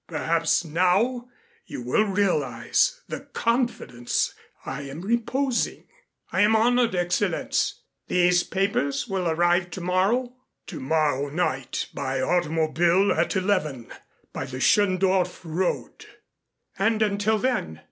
Perhaps now you will realize the confidence I am reposing." "I am honored, Excellenz. These papers will arrive tomorrow?" "Tomorrow night by automobile at eleven, by the Schöndorf road." "And until then